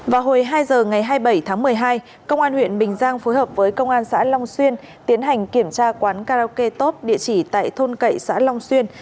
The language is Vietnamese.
vào hồi hai giờ ngày hai mươi bảy tháng một mươi hai công an huyện bình giang phối hợp với công an xã long xuyên tiến hành kiểm tra quán karaoke top địa chỉ tại thôn cậy xã long xuyên